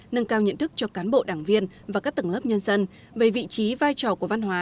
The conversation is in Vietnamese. nâng cao nhận thức cho cán bộ đảng viên và các tầng lớp nhân dân về vị trí vai trò của văn hóa